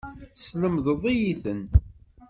Teslemdeḍ-iyi-ten.